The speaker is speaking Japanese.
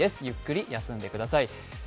ゆっくり休んでください。